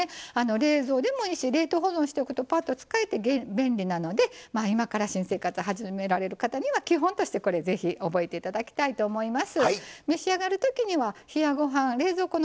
冷蔵でもいいし冷凍保存しておくとぱっと使えて便利なので今から新生活始められる方には基本としてこれぜひ覚えて頂きたいと思います。